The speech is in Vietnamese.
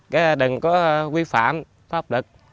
mình có quy phạm pháp luật